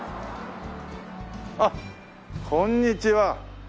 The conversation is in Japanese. あっこんにちは。